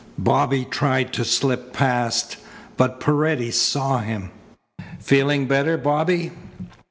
Bobby tried to slip past, but Paredes saw him. "Feeling better, Bobby?"